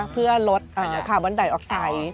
เพื่อลดคาร์บอนไดออกไซด์